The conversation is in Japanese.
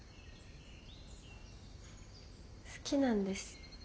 好きなんです。